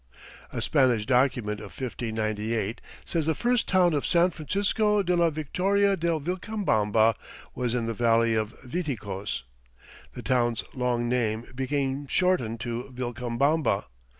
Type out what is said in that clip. A Spanish document of 1598 says the first town of "San Francisco de la Victoria de Vilcabamba" was in the "valley of Viticos." The town's long name became shortened to Vilcabamba.